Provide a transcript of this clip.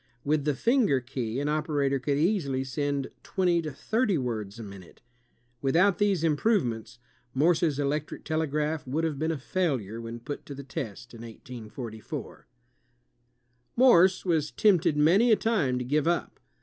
With the finger key, an operator could easily send twenty to thirty words a minute. Without these improvements, Morse's electric telegraph would have been a failure when put to the test in 1844. Morse was tempted many a time to give up.